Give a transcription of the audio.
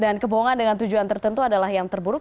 dan kebohongan dengan tujuan tertentu adalah yang terburuk